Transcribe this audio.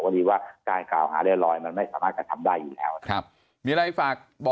สวัสดีครับ